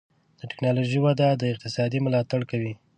د ټکنالوجۍ وده د اقتصاد ملاتړ کوي.